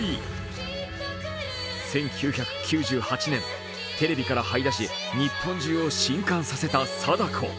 １９９８年、テレビからはい出し、日本中を震撼させた貞子。